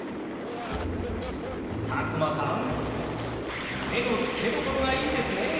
佐久間さん目の付けどころがいいですね！